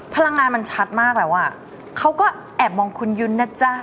พลังงานมันชัดมากแล้วอ่ะเขาก็แอบมองคุณยุ้นนะจ๊ะ